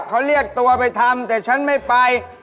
เหลียดไปทำแต่ไงทั้งไม่ไป